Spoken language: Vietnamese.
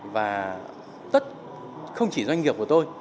và không chỉ doanh nghiệp của tôi